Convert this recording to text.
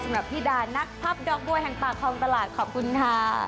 สำหรับพี่ด่านนักภัพด๊อกบวยแห่งปะคองตลาดขอบคุณค่ะ